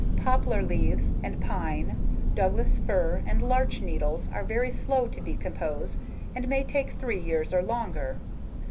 Poplar leaves, and pine, Douglas fir, and larch needles are very slow to decompose and may take three years or longer.